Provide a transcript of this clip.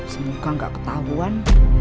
semoga gak ketahuan